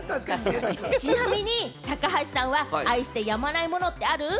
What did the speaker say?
ちなみに高橋さんは愛してやまないものってある？